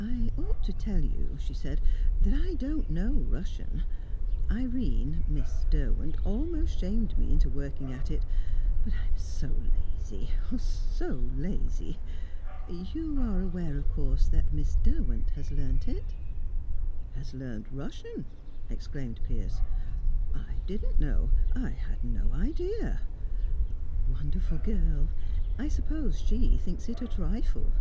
"I ought to tell you," she said, "that I don't know Russian. Irene Miss Derwent almost shamed me into working at it; but I am so lazy ah, so lazy! you are aware, of course, that Miss Derwent has learnt it?" "Has learnt Russian?" exclaimed Piers. "I didn't know I had no idea " "Wonderful girl! I suppose she thinks it a trifle."